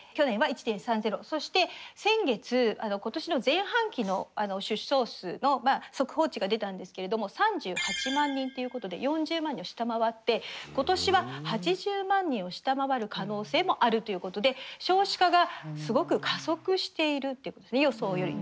そして先月今年の前半期の出生数の速報値が出たんですけれども３８万人っていうことで４０万人を下回って今年は８０万人を下回る可能性もあるということで少子化がすごく加速しているっていうことですね予想より。